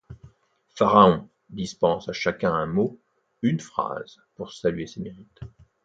Pharaon dispense à chacun un mot, une phrase pour saluer ses mérites.